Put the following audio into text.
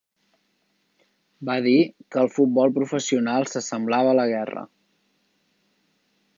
Va dir que el futbol professional s'assemblava a la guerra.